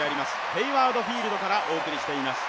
ヘイワード・フィールドからお送りしています。